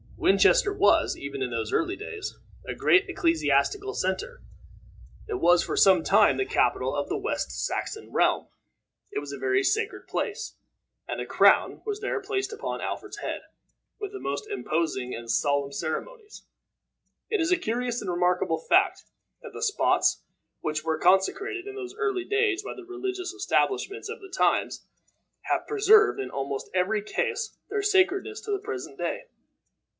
Winchester was, even in those early days, a great ecclesiastical center. It was for some time the capital of the West Saxon realm. It was a very sacred place, and the crown was there placed upon Alfred's head, with the most imposing and solemn ceremonies. It is a curious and remarkable fact, that the spots which were consecrated in those early days by the religious establishments of the times, have preserved in almost every case their sacredness to the present day.